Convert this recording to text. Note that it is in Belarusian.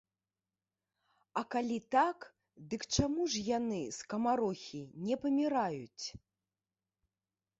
А калі так, дык чаму ж яны, скамарохі, не паміраюць?